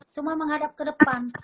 semua menghadap ke depan